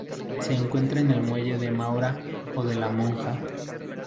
Se encuentra en el muelle de Maura o de la Monja.